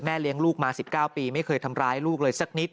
เลี้ยงลูกมา๑๙ปีไม่เคยทำร้ายลูกเลยสักนิด